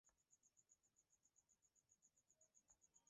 Pasó a Catedrático de las mismas el curso siguiente.